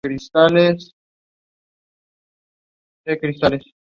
El barco hizo escala en Jamaica, Aruba, Cartagena, Rodman, Manta y Cozumel.